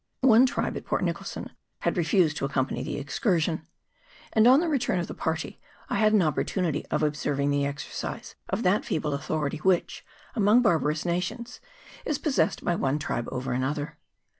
One tribe at Port Nicholson had refused to accompany the excursion ; and on the return of the party I had an opportunity of observing the exercise of that feeble authority which, amongst barbarous nations, is possessed by one tribe over another.